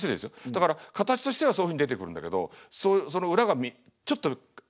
だから形としてはそういうふうに出てくるんだけどその裏がちょっとにおうんだと思います